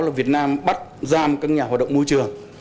là việt nam bắt giam các nhà hoạt động môi trường